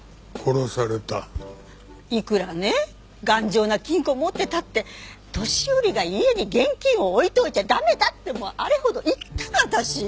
いくらね頑丈な金庫を持ってたって年寄りが家に現金を置いといちゃ駄目だってあれほど言ったの私。